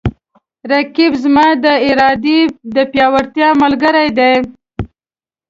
رقیب زما د ارادې د پیاوړتیا ملګری دی